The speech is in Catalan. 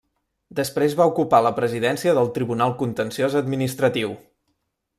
Després va ocupar la presidència del Tribunal Contenciós Administratiu.